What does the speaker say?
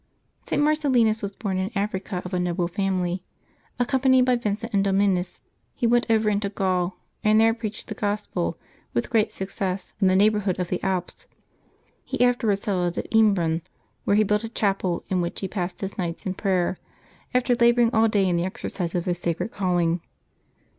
[T. Makcellixus was born in Africa, of a noble family ; accompanied by Vincent and Domninus, he went over into Gaul, and there preached the Gospel, with great suc cess, in the neighborhood of the Alps. He afterwards settled at Embrun, where he built a chapel in which he passed his nights in prayer, after laboring all the day in the exercise of his sacred calling.